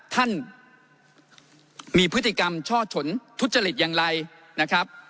ท่านมีพฤติกรรมช่อฉนทุจริตอย่างไรนะครับ